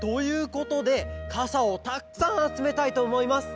ことでかさをたくさんあつめたいとおもいます。